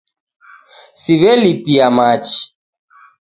Siw'elipia machi